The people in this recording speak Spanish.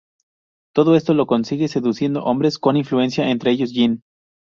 Todo esto lo consigue seduciendo hombres con influencia, entre ellos Gin.